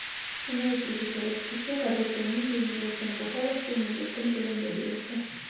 Шуны әйтергә кәрәк: кеше, ғәҙәттә, ниндәй милләттән булһа, шул милләттең телендә һөйләшә.